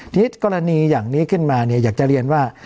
ทีนี้กรณีอย่างนี้ขึ้นมาเนี่ยอยากจะเรียนว่า